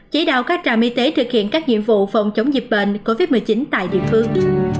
chỉ đạo các trạm y tế thực hiện các nhiệm vụ phòng chống dịch bệnh covid một mươi chín tại địa phương